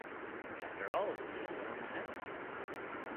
After all, it’s the only one we have.